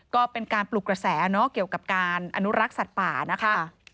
ก็เป็นการปลุกกระแสเนาะเกี่ยวกับการอนุรักษ์สัตว์ป่านะคะ